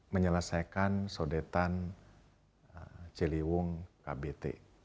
menyelesaikan sodetan ciliwung kbt